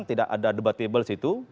tidak ada debat table situ